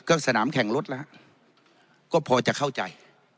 ก็สนามแข่งรถแล้วก็พอจะเข้าใจ